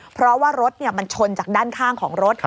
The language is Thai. เพราะว่ารถมันชนจากด้านข้างของรถ